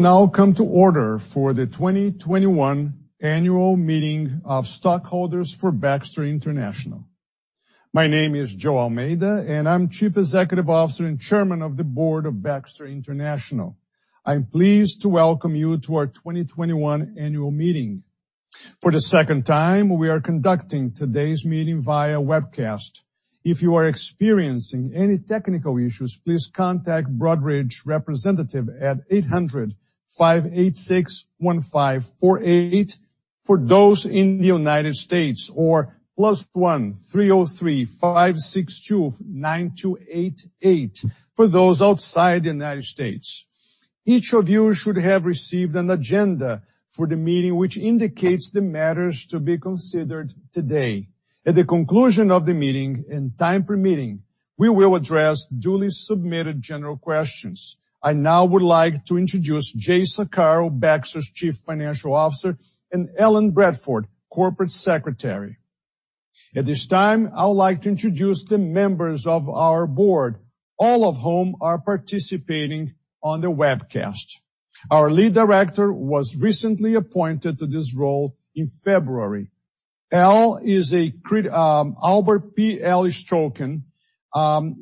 Come to order for the 2021 annual meeting of stockholders for Baxter International. My name is Joe Almeida, and I'm Chief Executive Officer and Chairman of the Board of Baxter International. I'm pleased to welcome you to our 2021 annual meeting. For the second time, we are conducting today's meeting via webcast. If you are experiencing any technical issues, please contact Broadridge representative at 800-586-1548 for those in the U.S., or +1-303-562-9288 for those outside the U.S. Each of you should have received an agenda for the meeting, which indicates the matters to be considered today. At the conclusion of the meeting, and time permitting, we will address duly submitted general questions. I now would like to introduce Jay Saccaro, Baxter's Chief Financial Officer, and Ellen Bradford, Corporate Secretary. At this time, I would like to introduce the members of our Board, all of whom are participating on the webcast. Our Lead Director was recently appointed to this role in February. Albert P.L. Stroucken, Jr.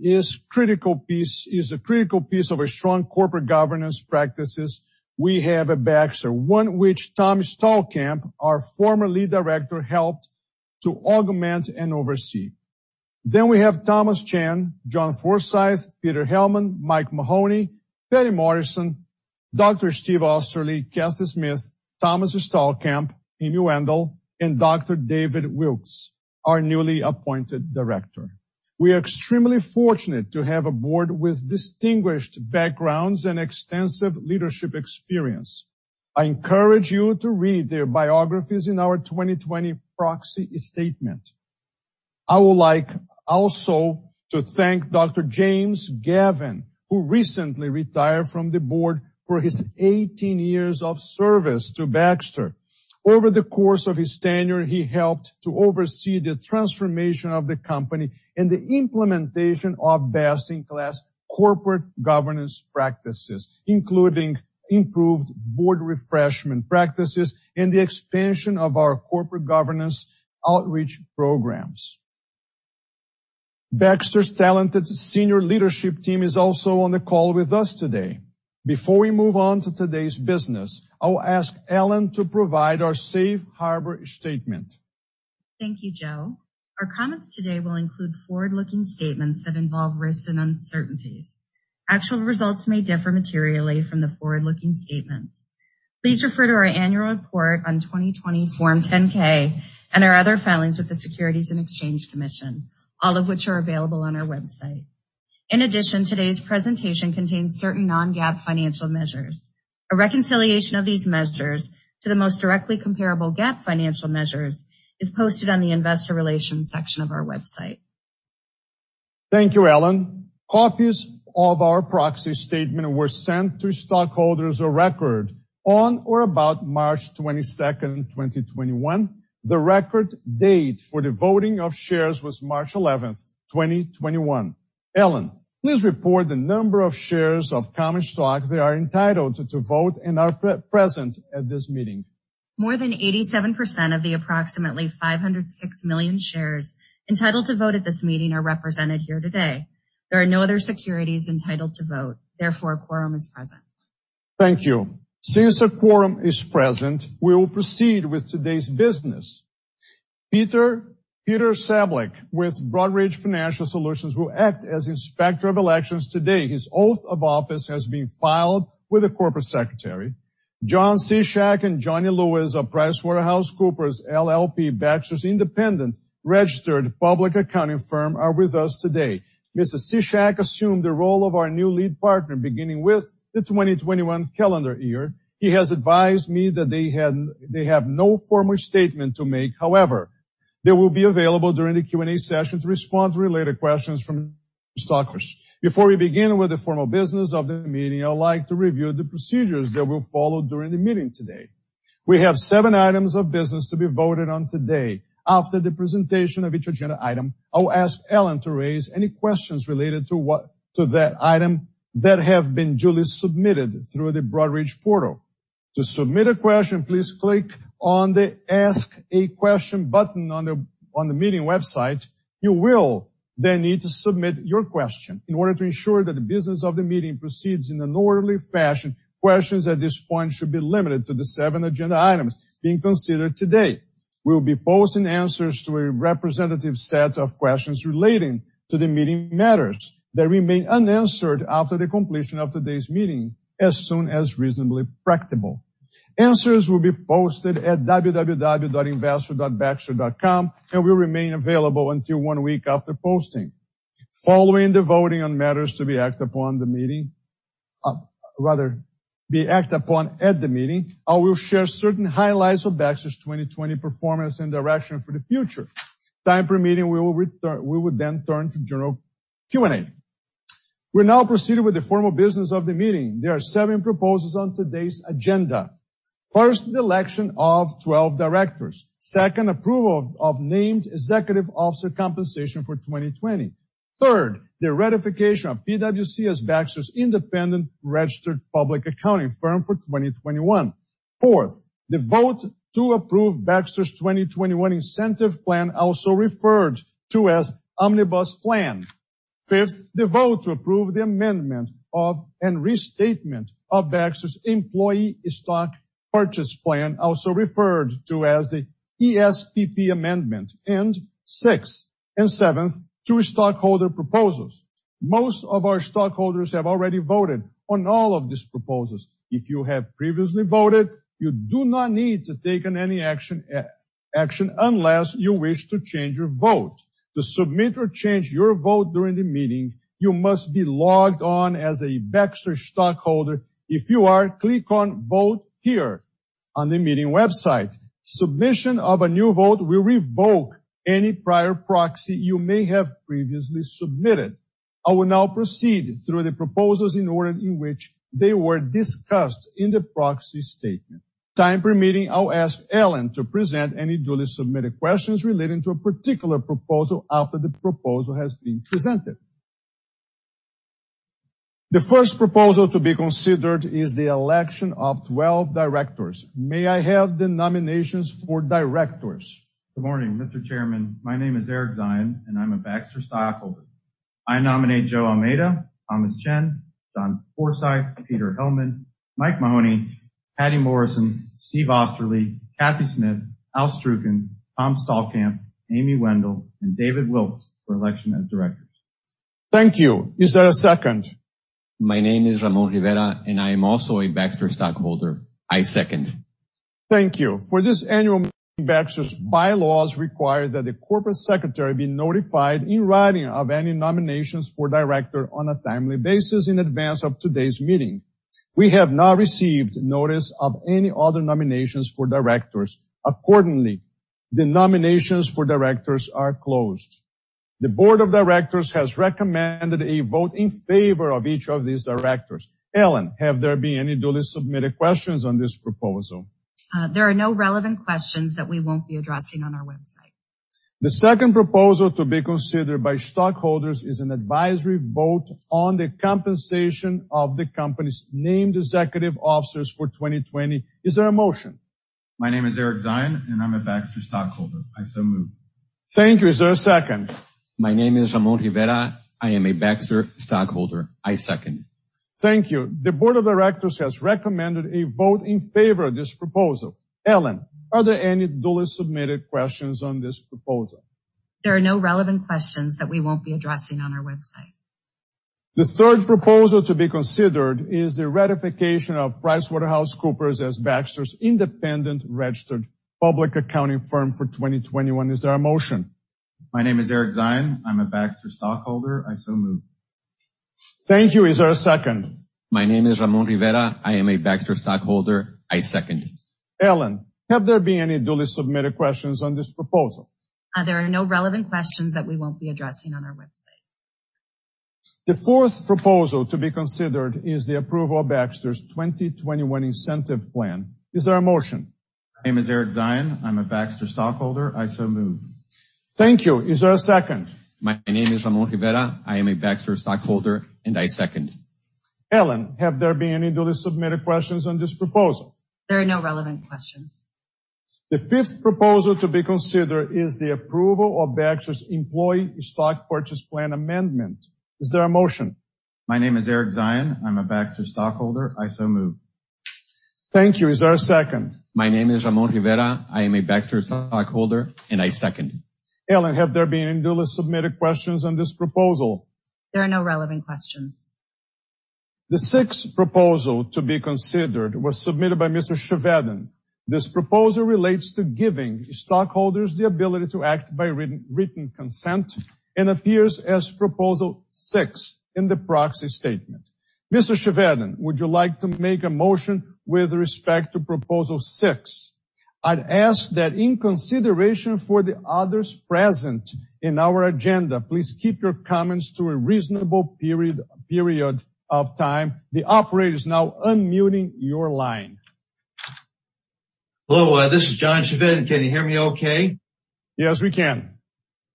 is a critical piece of a strong corporate governance practices we have at Baxter, one which Thomas T. Stallkamp, our former Lead Director, helped to augment and oversee. We have Thomas F. Chen, John D. Forsyth, Peter Hellman, Mike Mahoney, Patty Morrison, Steve Oesterle, Cathy Smith, Thomas T. Stallkamp, Amy A. Wendell, and Dr. David Wilkes, our newly appointed Director. We are extremely fortunate to have a Board with distinguished backgrounds and extensive leadership experience. I encourage you to read their biographies in our 2020 proxy statement. I would like also to thank Dr. James Gavin, who recently retired from the Board for his 18 years of service to Baxter. Over the course of his tenure, he helped to oversee the transformation of the company and the implementation of best-in-class corporate governance practices, including improved Board refreshment practices and the expansion of our corporate governance outreach programs. Baxter's talented senior leadership team is also on the call with us today. Before we move on to today's business, I'll ask Ellen to provide our safe harbor statement. Thank you, Joe. Our comments today will include forward-looking statements that involve risks and uncertainties. Actual results may differ materially from the forward-looking statements. Please refer to our annual report on 2020 Form 10-K and our other filings with the Securities and Exchange Commission, all of which are available on our website. In addition, today's presentation contains certain non-GAAP financial measures. A reconciliation of these measures to the most directly comparable GAAP financial measures is posted on the investor relations section of our website. Thank you, Ellen. Copies of our proxy statement were sent to stockholders of record on or about March 22nd, 2021. The record date for the voting of shares was March 11th, 2021. Ellen, please report the number of shares of common stock that are entitled to vote and are present at this meeting. More than 87% of the approximately 506 million shares entitled to vote at this meeting are represented here today. There are no other securities entitled to vote. Therefore, a quorum is present. Thank you. Since a quorum is present, we will proceed with today's business. Peter Sablik with Broadridge Financial Solutions will act as Inspector of Elections today. His oath of office has been filed with the Corporate Secretary. John Ciesiak and Johnnie Lewis of PricewaterhouseCoopers LLP, Baxter's independent registered public accounting firm, are with us today. Mr. Ciesiak assumed the role of our new lead partner beginning with the 2021 calendar year. He has advised me that they have no formal statement to make. However, they will be available during the Q&A session to respond to related questions from stockholders. Before we begin with the formal business of the meeting, I would like to review the procedures that we'll follow during the meeting today. We have seven items of business to be voted on today. After the presentation of each agenda item, I'll ask Ellen to raise any questions related to that item that have been duly submitted through the Broadridge portal. To submit a question, please click on the Ask a Question button on the meeting website. You will then need to submit your question. In order to ensure that the business of the meeting proceeds in an orderly fashion, questions at this point should be limited to the seven agenda items being considered today. We will be posting answers to a representative set of questions relating to the meeting matters that remain unanswered after the completion of today's meeting as soon as reasonably practicable. Answers will be posted at www.investor.baxter.com and will remain available until one week after posting. Following the voting on matters to be acted upon at the meeting, I will share certain highlights of Baxter's 2020 performance and direction for the future. Time permitting, we would then turn to general Q&A. We now proceed with the formal business of the meeting. There are seven proposals on today's agenda. First, the election of 12 Directors. Second, approval of named executive officer compensation for 2020. Third, the ratification of PwC as Baxter's independent registered public accounting firm for 2021. Fourth, the vote to approve Baxter's 2021 incentive plan, also referred to as Omnibus Plan. Fifth, the vote to approve the amendment of and restatement of Baxter's employee stock purchase plan, also referred to as the ESPP Amendment. Sixth and seventh, two stockholder proposals. Most of our stockholders have already voted on all of these proposals. If you have previously voted, you do not need to take any action unless you wish to change your vote. To submit or change your vote during the meeting, you must be logged on as a Baxter stockholder. If you are, click on Vote Here on the meeting website. Submission of a new vote will revoke any prior proxy you may have previously submitted. I will now proceed through the proposals in the order in which they were discussed in the proxy statement. Time permitting, I'll ask Ellen to present any duly submitted questions relating to a particular proposal after the proposal has been presented. The first proposal to be considered is the election of 12 Directors. May I have the nominations for Directors? Good morning, Mr. Chairman. My name is Eric Zion, and I'm a Baxter stockholder. I nominate Joe Almeida, Thomas Chen, John Forsyth, Peter Hellman, Mike Mahoney, Patty Morrison, Steve Oesterle, Cathy Smith, Al Stroucken, Tom Stallkamp, Amy Wendell, and David Wilkes for election as Directors. Thank you. Is there a second? My name is Ramon Rivera, and I am also a Baxter stockholder. I second. Thank you. For this annual meeting, Baxter's bylaws require that the Corporate Secretary be notified in writing of any nominations for Director on a timely basis in advance of today's meeting. We have not received notice of any other nominations for Directors. Accordingly, the nominations for Directors are closed. The Board of Directors has recommended a vote in favor of each of these Directors. Ellen, have there been any duly submitted questions on this proposal? There are no relevant questions that we won't be addressing on our website. The second proposal to be considered by stockholders is an advisory vote on the compensation of the company's named executive officers for 2020. Is there a motion? My name is Eric Zion, and I'm a Baxter stockholder. I so move. Thank you. Is there a second? My name is Ramon Rivera. I am a Baxter stockholder. I second. Thank you. The Board of Directors has recommended a vote in favor of this proposal. Ellen, are there any duly submitted questions on this proposal? There are no relevant questions that we won't be addressing on our website. The third proposal to be considered is the ratification of PricewaterhouseCoopers as Baxter's independent registered public accounting firm for 2021. Is there a motion? My name is Eric Zion. I'm a Baxter stockholder. I so move. Thank you. Is there a second? My name is Ramon Rivera. I am a Baxter stockholder. I second it. Ellen, have there been any duly submitted questions on this proposal? There are no relevant questions that we won't be addressing on our website. The fourth proposal to be considered is the approval of Baxter's 2021 incentive plan. Is there a motion? My name is Eric Zion. I'm a Baxter stockholder. I so move. Thank you. Is there a second? My name is Ramon Rivera. I am a Baxter stockholder. I second. Ellen, have there been any duly submitted questions on this proposal? There are no relevant questions. The fifth proposal to be considered is the approval of Baxter's employee stock purchase plan amendment. Is there a motion? My name is Eric Zion. I'm a Baxter stockholder. I so move. Thank you. Is there a second? My name is Ramon Rivera. I am a Baxter stockholder. I second. Ellen, have there been any duly submitted questions on this proposal? There are no relevant questions. The sixth proposal to be considered was submitted by Mr. Chevedden. This proposal relates to giving stockholders the ability to act by written consent and appears as proposal six in the proxy statement. Mr. Chevedden, would you like to make a motion with respect to proposal six? I'd ask that in consideration for the others present in our agenda, please keep your comments to a reasonable period of time. The operator is now unmuting your line. Hello, this is John Chevedden. Can you hear me okay? Yes, we can.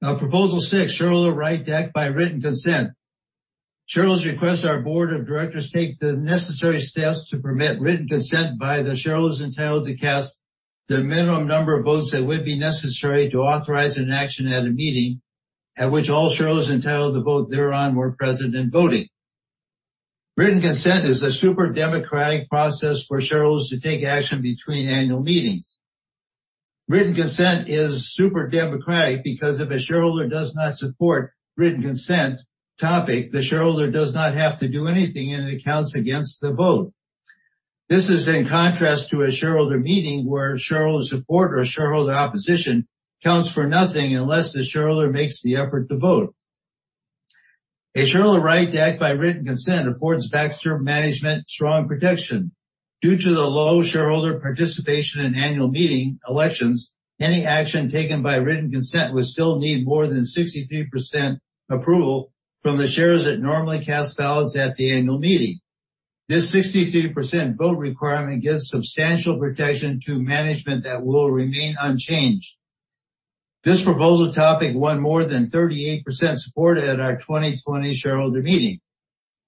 Proposal six, shareholder right to act by written consent. Shareholders request our Board of Directors take the necessary steps to permit written consent by the shareholders entitled to cast the minimum number of votes that would be necessary to authorize an action at a meeting at which all shareholders entitled to vote thereon were present and voting. Written consent is a super democratic process for shareholders to take action between annual meetings. Written consent is super democratic because if a shareholder does not support written consent topic, the shareholder does not have to do anything, and it counts against the vote. This is in contrast to a shareholder meeting where shareholder support or shareholder opposition counts for nothing unless the shareholder makes the effort to vote. A shareholder right to act by written consent affords Baxter management strong protection. Due to the low shareholder participation in annual meeting elections, any action taken by written consent would still need more than 63% approval from the shares that normally cast ballots at the annual meeting. This 63% vote requirement gives substantial protection to management that will remain unchanged. This proposal topic won more than 38% support at our 2020 shareholder meeting.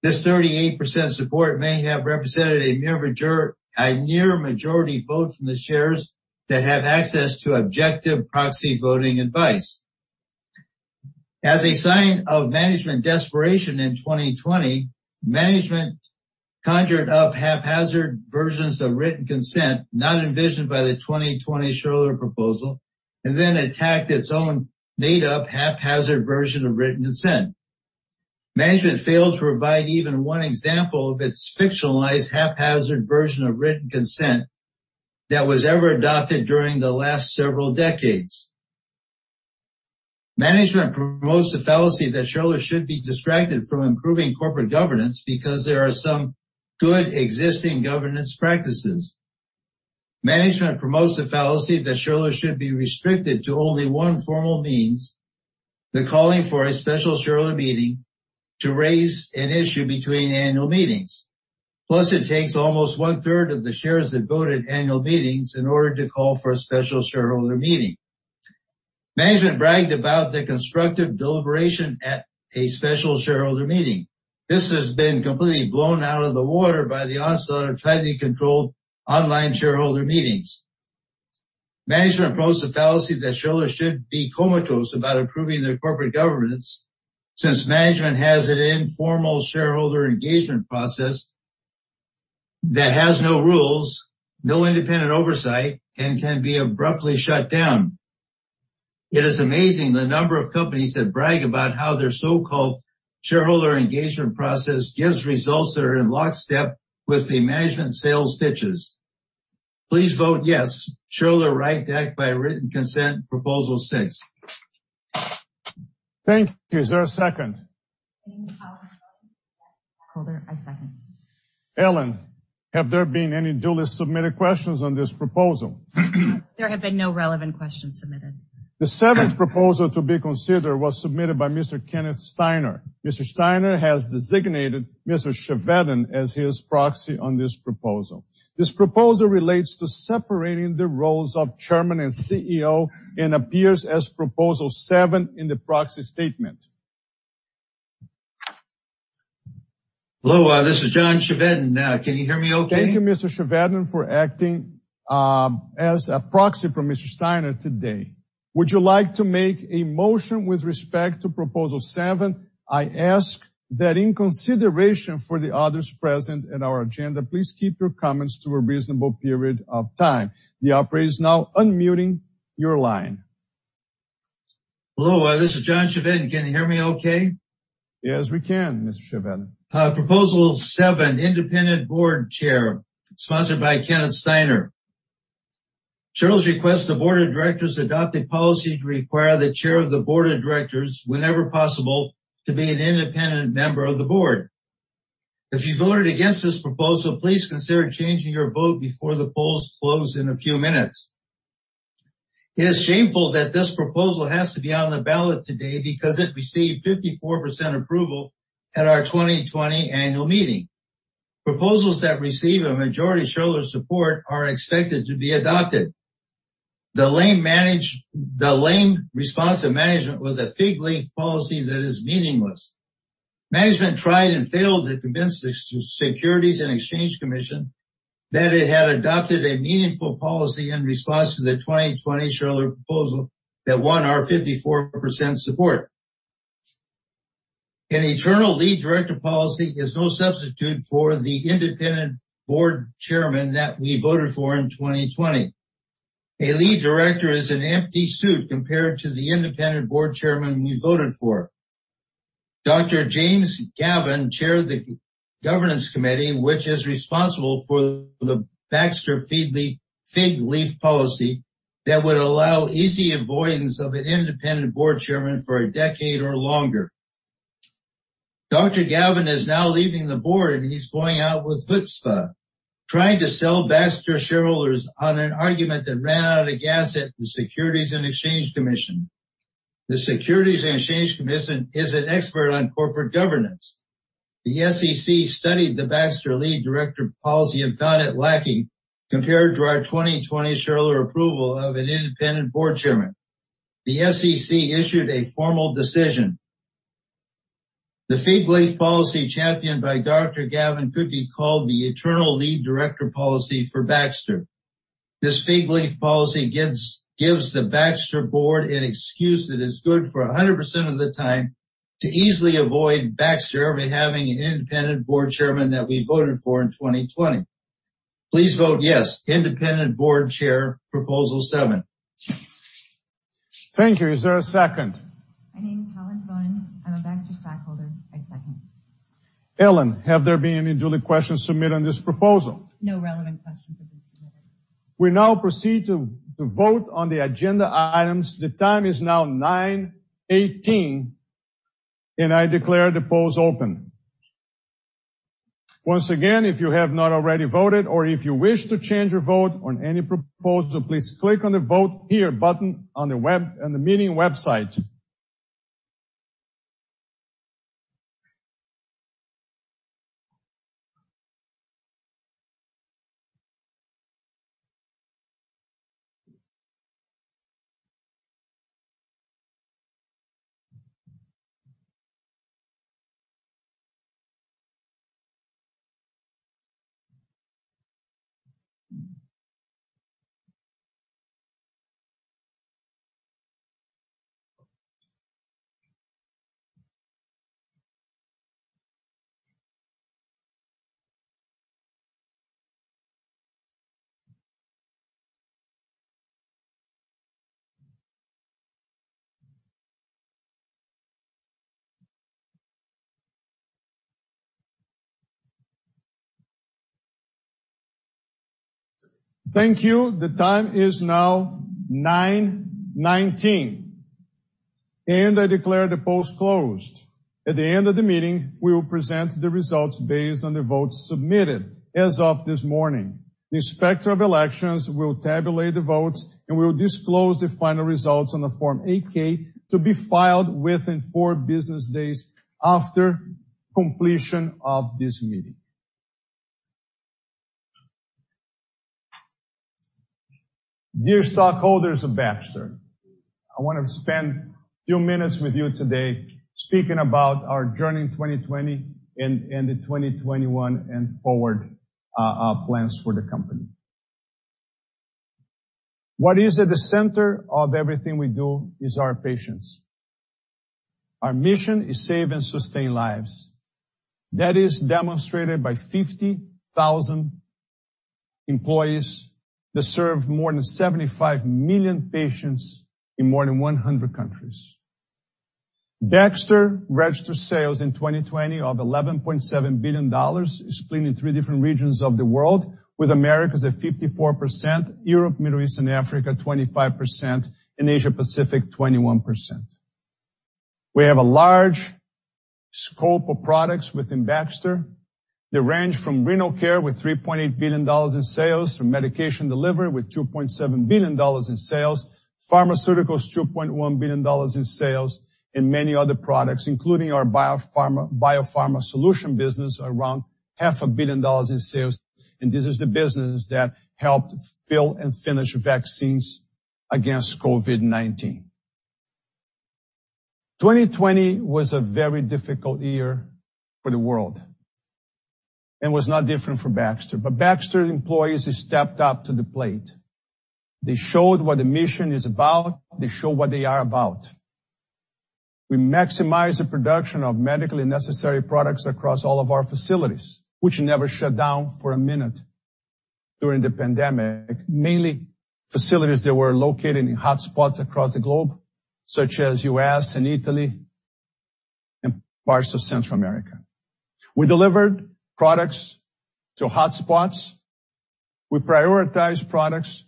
This 38% support may have represented a near majority vote from the shares that have access to objective proxy voting advice. As a sign of management desperation in 2020, management conjured up haphazard versions of written consent not envisioned by the 2020 shareholder proposal, and then attacked its own made-up haphazard version of written consent. Management failed to provide even one example of its fictionalized haphazard version of written consent that was ever adopted during the last several decades. Management promotes the fallacy that shareholders should be distracted from improving corporate governance because there are some good existing governance practices. Management promotes the fallacy that shareholders should be restricted to only one formal means, the calling for a special shareholder meeting, to raise an issue between annual meetings. Plus, it takes almost one-third of the shares that vote at annual meetings in order to call for a special shareholder meeting. Management bragged about the constructive deliberation at a special shareholder meeting. This has been completely blown out of the water by the onslaught of tightly controlled online shareholder meetings. Management promotes the fallacy that shareholders should be comatose about improving their corporate governance, since management has an informal shareholder engagement process that has no rules, no independent oversight, and can be abruptly shut down. It is amazing the number of companies that brag about how their so-called shareholder engagement process gives results that are in lockstep with the management sales pitches. Please vote yes. Shareholder right, backed by written consent, proposal six. Thank you. Is there a second? My name is [Helen Bowen]. I'm a shareholder. I second. Ellen, have there been any duly submitted questions on this proposal? There have been no relevant questions submitted. The seventh proposal to be considered was submitted by Mr. Kenneth Steiner. Mr. Steiner has designated Mr. Chevedden as his proxy on this proposal. This proposal relates to separating the roles of Chairman and CEO and appears as proposal seven in the proxy statement. Hello, this is John Chevedden. Can you hear me okay? Thank you, Mr. Chevedden, for acting as a proxy for Mr. Steiner today. Would you like to make a motion with respect to proposal seven? I ask that in consideration for the others present in our agenda, please keep your comments to a reasonable period of time. The operator is now unmuting your line. Hello, this is John Chevedden. Can you hear me okay? Yes, we can, Mr. Chevedden. Proposal seven, independent Board Chair, sponsored by Kenneth Steiner. Shareholders request the Board of Directors adopt a policy to require the Chair of the Board of Directors, whenever possible, to be an independent member of the Board. If you voted against this proposal, please consider changing your vote before the polls close in a few minutes. It is shameful that this proposal has to be on the ballot today because it received 54% approval at our 2020 annual meeting. Proposals that receive a majority shareholder support are expected to be adopted. The lame response to management was a fig leaf policy that is meaningless. Management tried and failed to convince the Securities and Exchange Commission that it had adopted a meaningful policy in response to the 2020 shareholder proposal that won our 54% support. An eternal Lead Director policy is no substitute for the independent Board Chairman that we voted for in 2020. A Lead Director is an empty suit compared to the independent Board Chairman we voted for. Dr. James Gavin Chaired the governance committee, which is responsible for the Baxter fig leaf policy that would allow easy avoidance of an independent Board Chairman for a decade or longer. Dr. Gavin is now leaving the Board, and he's going out with chutzpah, trying to sell Baxter shareholders on an argument that ran out of gas at the Securities and Exchange Commission. The Securities and Exchange Commission is an expert on corporate governance. The SEC studied the Baxter Lead Director policy and found it lacking compared to our 2020 shareholder approval of an independent Board Chairman. The SEC issued a formal decision. The fig leaf policy championed by Dr. Gavin could be called the eternal Lead Director policy for Baxter. This fig leaf policy gives the Baxter Board an excuse that is good for 100% of the time to easily avoid Baxter ever having an independent Board Chairman that we voted for in 2020. Please vote yes. Independent Board Chair, proposal 7. Thank you. Is there a second? My name is [Helen Bowen]. I'm a Baxter stockholder. I second. Ellen, have there been any duly questions submitted on this proposal? No relevant questions have been submitted. We now proceed to vote on the agenda items. The time is now 9:18 A.M. I declare the polls open. Once again, if you have not already voted or if you wish to change your vote on any proposal, please click on the Vote Here button on the meeting website. Thank you. The time is now 9:19 A.M. I declare the polls closed. At the end of the meeting, we will present the results based on the votes submitted as of this morning. The Inspector of Elections will tabulate the votes, and we will disclose the final results on the Form 8-K to be filed within four business days after completion of this meeting. Dear stockholders of Baxter, I want to spend a few minutes with you today speaking about our journey in 2020 and the 2021 and forward plans for the company. What is at the center of everything we do is our patients. Our mission is save and sustain lives. That is demonstrated by 50,000 employees that serve more than 75 million patients in more than 100 countries. Baxter registered sales in 2020 of $11.7 billion, split in three different regions of the world, with Americas at 54%, Europe, Middle East, and Africa 25%, and Asia Pacific 21%. We have a large scope of products within Baxter that range from renal care with $3.8 billion in sales, to medication delivery with $2.7 billion in sales, pharmaceuticals, $2.1 billion in sales, and many other products, including our biopharma solution business, around half a billion dollars in sales. This is the business that helped fill and finish vaccines against COVID-19. 2020 was a very difficult year for the world and was not different for Baxter. Baxter employees have stepped up to the plate. They showed what the mission is about. They show what they are about. We maximize the production of medically necessary products across all of our facilities, which never shut down for a minute during the pandemic. Mainly facilities that were located in hotspots across the globe, such as U.S. and Italy and parts of Central America. We delivered products to hotspots. We prioritized products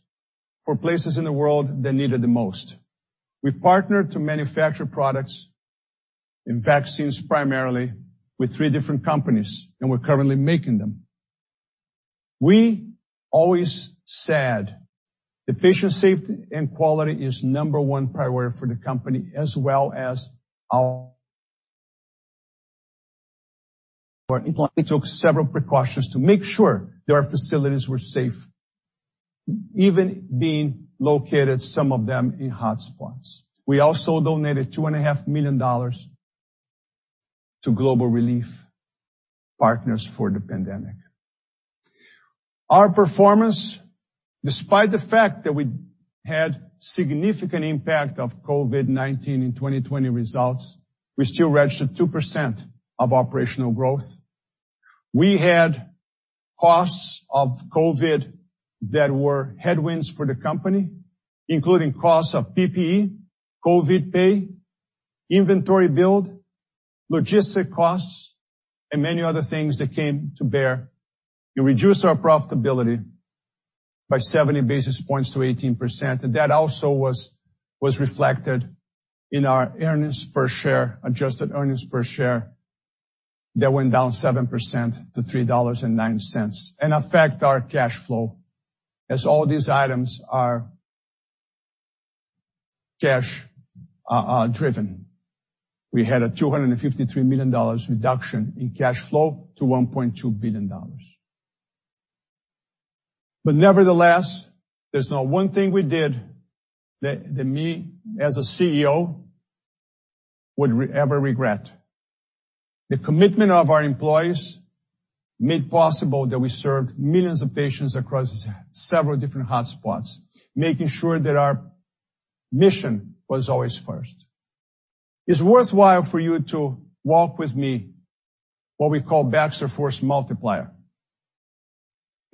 for places in the world that need it the most. We partnered to manufacture products and vaccines primarily with three different companies, and we're currently making them. We always said that patient safety and quality is number one priority for the company, as well as our employees took several precautions to make sure their facilities were safe, even being located, some of them in hotspots. We also donated $2.5 million to global relief partners for the pandemic. Our performance, despite the fact that we had significant impact of COVID-19 in 2020 results, we still registered 2% of operational growth. We had costs of COVID that were headwinds for the company, including costs of PPE, COVID pay, inventory build, logistic costs, and many other things that came to bear. We reduced our profitability by 70 basis points to 18%. That also was reflected in our earnings per share, adjusted earnings per share, that went down 7% to $3.09, and affect our cash flow, as all these items are cash driven. We had a $253 million reduction in cash flow to $1.2 billion. Nevertheless, there's not one thing we did that me, as a CEO, would ever regret. The commitment of our employees made possible that we served millions of patients across several different hotspots, making sure that our mission was always first. It's worthwhile for you to walk with me what we call Baxter Force Multiplier.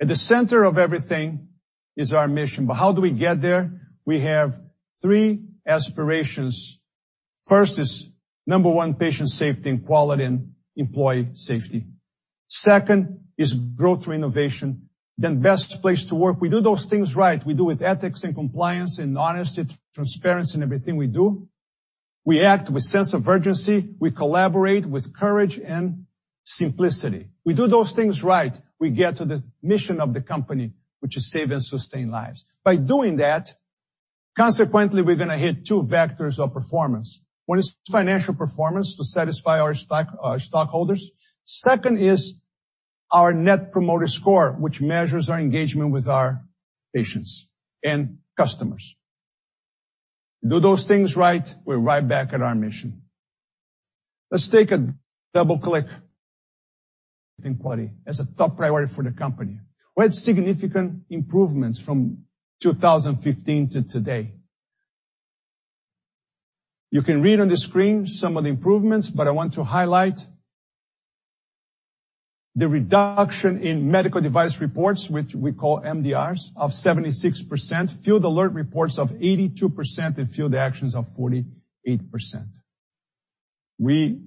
At the center of everything is our mission. How do we get there? We have three aspirations. First is, number one, patient safety and quality and employee safety. Second is growth through innovation, best place to work. We do those things right. We do with ethics and compliance and honesty, transparency in everything we do. We act with sense of urgency. We collaborate with courage and simplicity. We do those things right, we get to the mission of the company, which is save and sustain lives. By doing that, consequently, we're going to hit two vectors of performance. One is financial performance to satisfy our stockholders. Second is our net promoter score, which measures our engagement with our patients and customers. Do those things right, we're right back at our mission. Let's take a double click. Safety and quality is a top priority for the company. We had significant improvements from 2015 to today. You can read on the screen some of the improvements, but I want to highlight the reduction in medical device reports, which we call MDRs, of 76%, field alert reports of 82%, and field actions of 48%. We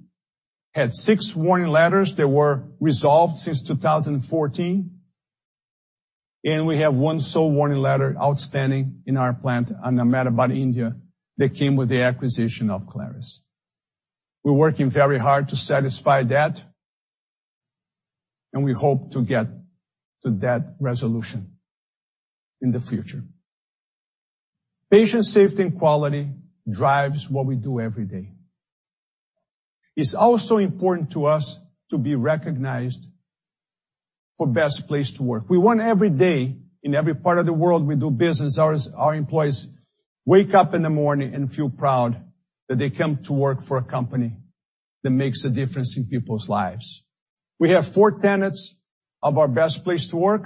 had six warning letters that were resolved since 2014, and we have one sole warning letter outstanding in our plant on the Baxter Pharmaceuticals India that came with the acquisition of Claris. We're working very hard to satisfy that, and we hope to get to that resolution in the future. Patient safety and quality drives what we do every day. It's also important to us to be recognized for best place to work. We want every day in every part of the world we do business, our employees wake up in the morning and feel proud that they come to work for a company that makes a difference in people's lives. We have four tenets of our best place to work,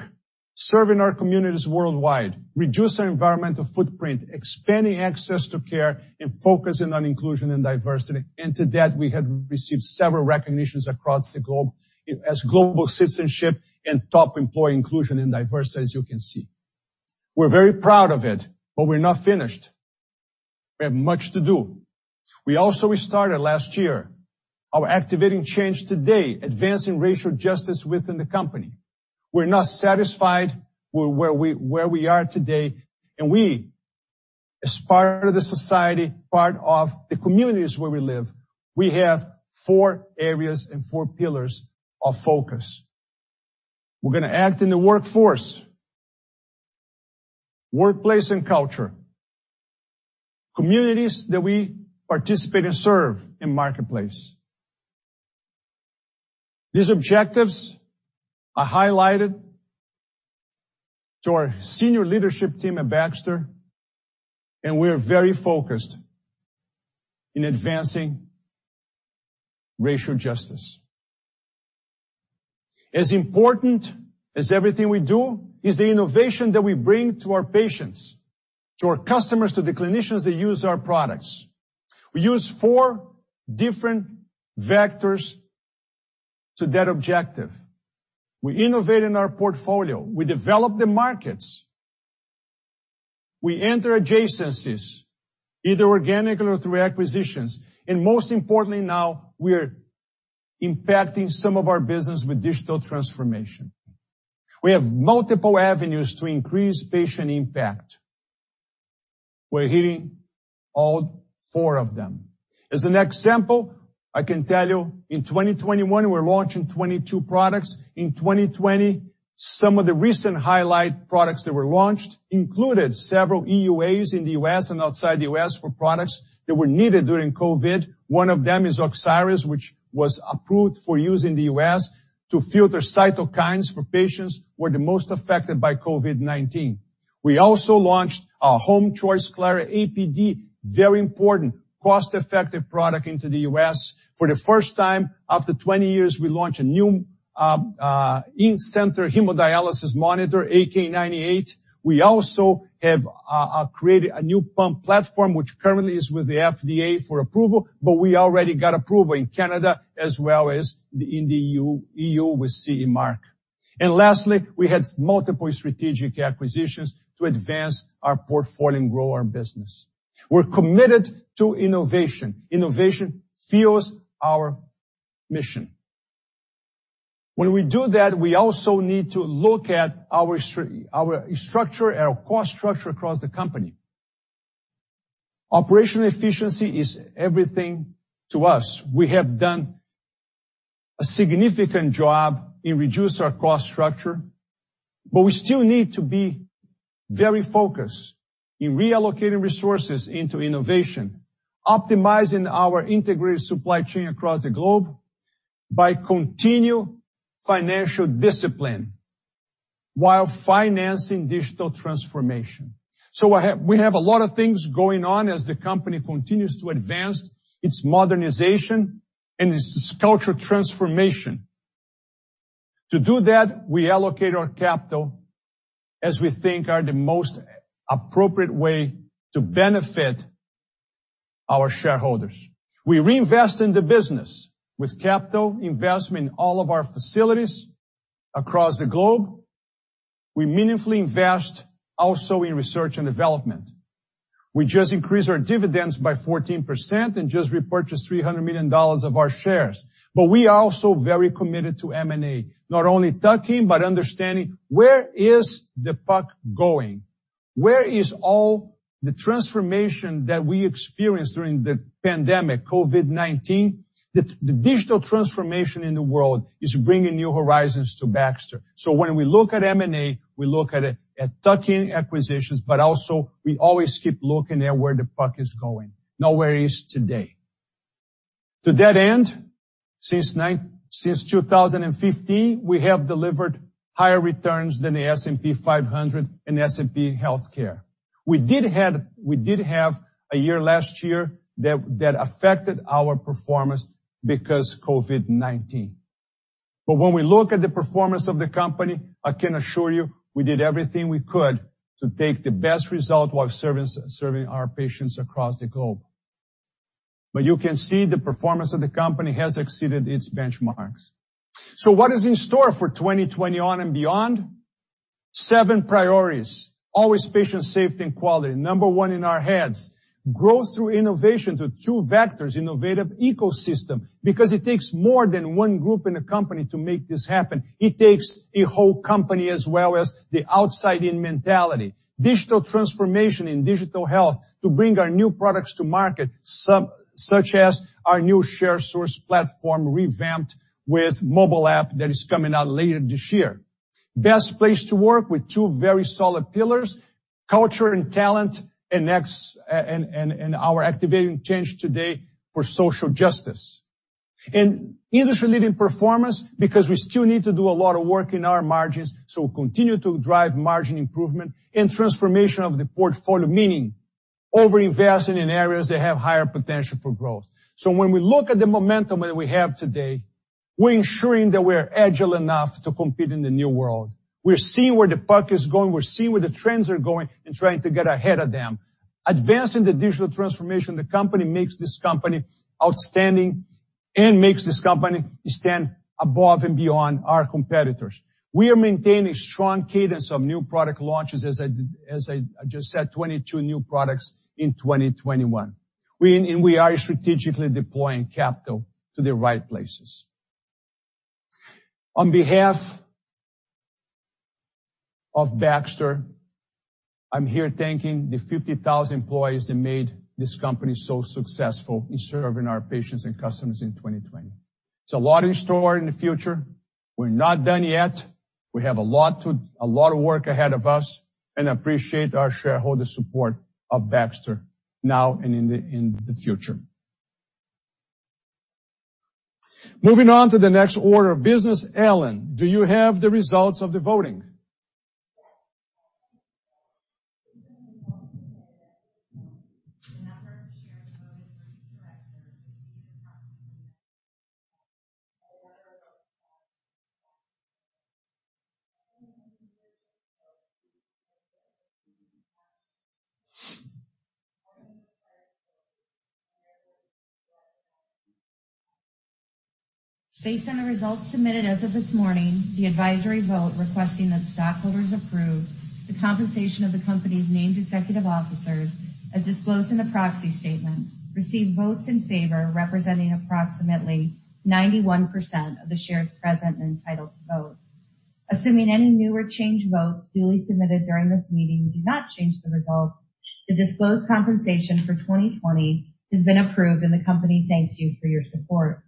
serving our communities worldwide, reduce our environmental footprint, expanding access to care, focusing on inclusion and diversity. To that, we have received several recognitions across the globe as global citizenship and top employer inclusion and diversity, as you can see. We're very proud of it. We're not finished. We have much to do. We also restarted last year our Activating Change Today, advancing racial justice within the company. We're not satisfied with where we are today, and we, as part of the society, part of the communities where we live, we have four areas and four pillars of focus. We're going to act in the workforce, workplace and culture, communities that we participate and serve, and marketplace. These objectives are highlighted to our senior leadership team at Baxter, and we are very focused in advancing racial justice. As important as everything we do is the innovation that we bring to our patients, to our customers, to the clinicians that use our products. We use four different vectors to that objective. We innovate in our portfolio. We develop the markets. We enter adjacencies, either organically or through acquisitions. Most importantly, now, we are impacting some of our business with digital transformation. We have multiple avenues to increase patient impact. We're hitting all four of them. As an example, I can tell you in 2021, we're launching 22 products. In 2020, some of the recent highlight products that were launched included several EUAs in the U.S. and outside the U.S. for products that were needed during COVID. One of them is oXiris, which was approved for use in the U.S. to filter cytokines for patients who are the most affected by COVID-19. We also launched our HomeChoice Claria APD, very important cost-effective product into the U.S. For the first time after 20 years, we launched a new in-center hemodialysis monitor, AK 98. We also have created a new pump platform, which currently is with the FDA for approval, but we already got approval in Canada as well as in the EU with CE mark. Lastly, we had multiple strategic acquisitions to advance our portfolio and grow our business. We're committed to innovation. Innovation fuels our mission. When we do that, we also need to look at our structure and our cost structure across the company. Operational efficiency is everything to us. We have done a significant job in reduce our cost structure, but we still need to be very focused in reallocate resources into innovation, optimizing our integrated supply chain across the globe by continue financial discipline while financing digital transformation. We have a lot of things going on as the company continues to advance its modernization and its cultural transformation. To do that, we allocate our capital as we think are the most appropriate way to benefit our shareholders. We reinvest in the business with capital investment in all of our facilities across the globe. We meaningfully invest also in research and development. We just increased our dividends by 14% and just repurchased $300 million of our shares. We are also very committed to M&A, not only tuck-in, but understanding where is the puck going. Where is all the transformation that we experienced during the pandemic, COVID-19. The digital transformation in the world is bringing new horizons to Baxter. When we look at M&A, we look at tuck-in acquisitions, but also we always keep looking at where the puck is going, not where it is today. To that end, since 2015, we have delivered higher returns than the S&P 500 and S&P 500 Health Care. We did have a year last year that affected our performance because of COVID-19. When we look at the performance of the company, I can assure you, we did everything we could to take the best result while serving our patients across the globe. You can see the performance of the company has exceeded its benchmarks. What is in store for 2021 and beyond? Seven priorities. Always patient safety and quality, number one in our heads. Growth through innovation through two vectors, innovative ecosystem, because it takes more than one group in a company to make this happen. It takes a whole company as well as the outside-in mentality. Digital transformation in digital health to bring our new products to market, such as our new Sharesource platform revamped with mobile app that is coming out later this year. Best place to work with two very solid pillars, culture and talent, and our Activating Change Today for social justice. Industry-leading performance because we still need to do a lot of work in our margins, we continue to drive margin improvement and transformation of the portfolio, meaning over-investing in areas that have higher potential for growth. When we look at the momentum that we have today, we're ensuring that we're agile enough to compete in the new world. We're seeing where the puck is going. We're seeing where the trends are going and trying to get ahead of them. Advancing the digital transformation of the company makes this company outstanding and makes this company stand above and beyond our competitors. We are maintaining strong cadence of new product launches, as I just said, 22 new products in 2021. We are strategically deploying capital to the right places. On behalf of Baxter, I'm here thanking the 50,000 employees that made this company so successful in serving our patients and customers in 2020. There's a lot in store in the future. We're not done yet. We have a lot of work ahead of us, and appreciate our shareholder support of Baxter now and in the future. Moving on to the next order of business. Ellen, do you have the results of the voting? Based on the results submitted as of this morning, the advisory vote requesting that stockholders approve the compensation of the company's named executive officers, as disclosed in the proxy statement, received votes in favor representing approximately 91% of the shares present and entitled to vote. Assuming any new or changed votes duly submitted during this meeting do not change the results, the disclosed compensation for 2020 has been approved, and the company thanks you for your support.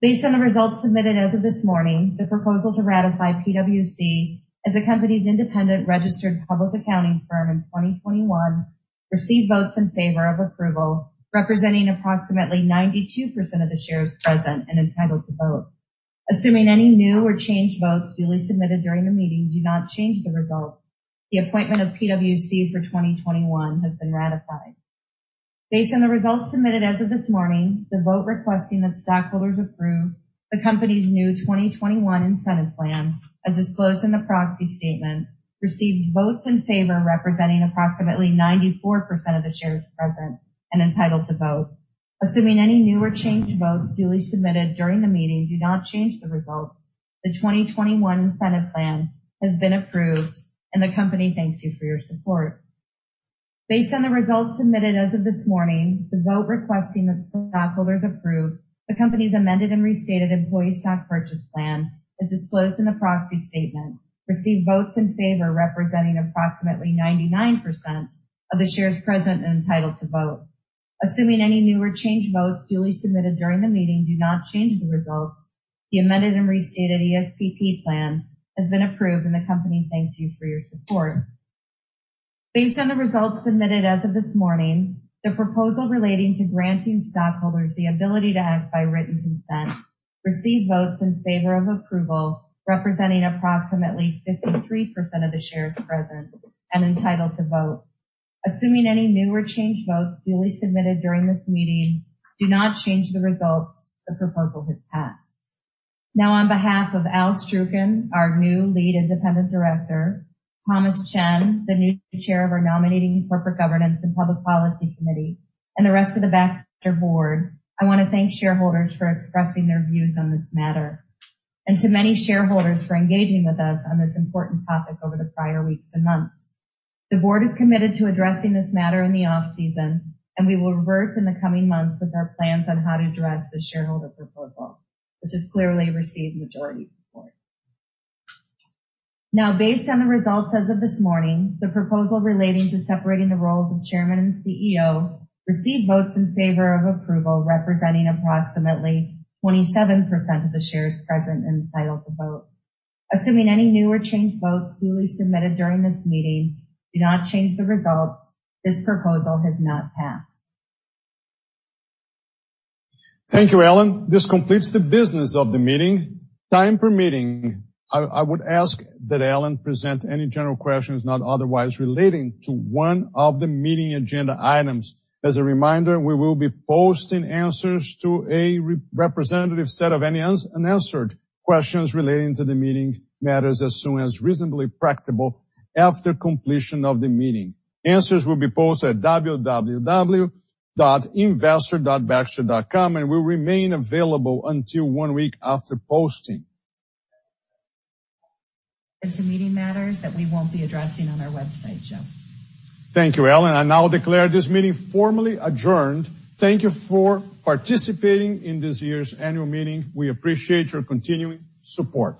Based on the results submitted as of this morning, the proposal to ratify PwC as the company's independent registered public accounting firm in 2021 received votes in favor of approval representing approximately 92% of the shares present and entitled to vote. Assuming any new or changed votes duly submitted during the meeting do not change the results, the appointment of PwC for 2021 has been ratified. Based on the results submitted as of this morning, the vote requesting that stockholders approve the company's new 2021 Incentive Plan, as disclosed in the proxy statement, received votes in favor representing approximately 94% of the shares present and entitled to vote. Assuming any new or changed votes duly submitted during the meeting do not change the results, the 2021 Incentive Plan has been approved, and the company thanks you for your support. Based on the results submitted as of this morning, the vote requesting that stockholders approve the company's amended and restated Employee Stock Purchase Plan, as disclosed in the proxy statement, received votes in favor representing approximately 99% of the shares present and entitled to vote. Assuming any new or changed votes duly submitted during the meeting do not change the results, the amended and restated ESPP plan has been approved, and the company thanks you for your support. Based on the results submitted as of this morning, the proposal relating to granting stockholders the ability to act by written consent received votes in favor of approval representing approximately 53% of the shares present and entitled to vote. Assuming any new or changed votes duly submitted during this meeting do not change the results, the proposal has passed. On behalf of Al Stroucken, our new Lead Independent Director, Thomas Chen, the new Chair of our Nominating Corporate Governance and Public Policy Committee, and the rest of the Baxter Board, I want to thank shareholders for expressing their views on this matter, and to many shareholders for engaging with us on this important topic over the prior weeks and months. The Board is committed to addressing this matter in the off-season, and we will revert in the coming months with our plans on how to address the shareholder proposal, which has clearly received majority support. Based on the results as of this morning, the proposal relating to separating the roles of Chairman and CEO received votes in favor of approval representing approximately 27% of the shares present and entitled to vote. Assuming any new or changed votes duly submitted during this meeting do not change the results, this proposal has not passed. Thank you, Ellen. This completes the business of the meeting. Time permitting, I would ask that Ellen present any general questions not otherwise relating to one of the meeting agenda items. As a reminder, we will be posting answers to a representative set of any unanswered questions relating to the meeting matters as soon as reasonably practicable after completion of the meeting. Answers will be posted at www.investor.baxter.com and will remain available until one week after posting. To meeting matters that we won't be addressing on our website, Joe. Thank you, Ellen. I now declare this meeting formally adjourned. Thank you for participating in this year's annual meeting. We appreciate your continuing support.